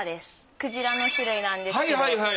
クジラの種類なんですけど。